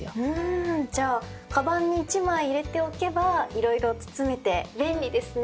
じゃあかばんに一枚入れておけば色々包めて便利ですね。